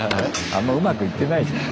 あんまうまくいってないじゃん。